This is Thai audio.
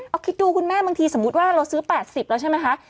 เอาคิดดูคุณแม่บางทีสมมุติว่าเราซื้อ๘๐แล้วใช่ไหมคะ